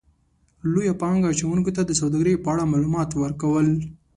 -لویو پانګه اچونکو ته د سوداګرۍ په اړه مالومات ورکو ل